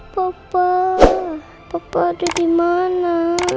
bapak bapak ada dimana